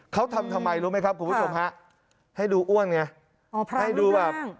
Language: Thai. เขาทำทำไมรู้ไหมครับคุณผู้ชมฮะให้ดูอ้วนไงอ๋อพรางรูปร่าง